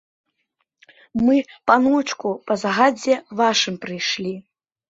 Мы, паночку, па загадзе вашым прыйшлі.